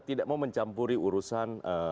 tidak mau mencampuri urusan